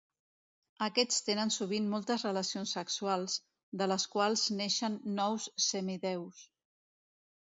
Aquests tenen sovint moltes relacions sexuals, de les quals neixen nous semidéus.